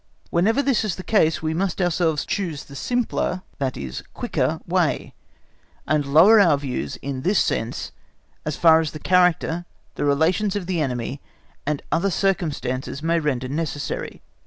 Whenever this is the case we must ourselves choose the simpler, i.e., quicker way, and lower our views in this sense as far as the character, the relations of the enemy, and other circumstances may render necessary.